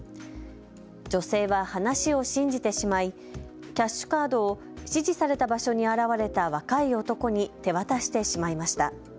女性は話を信じてしまいキャッシュカードを指示された場所に現れた若い男に手渡してしまいました。